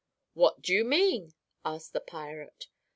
"'What do you mean?" asked the pirate.